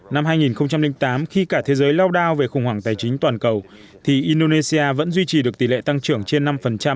năm hai nghìn tám khi cả thế giới lao đao về khủng hoảng tài chính toàn cầu thì indonesia vẫn duy trì được tỷ lệ tăng trưởng trên năm